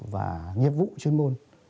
và nhiệm vụ chuyên môn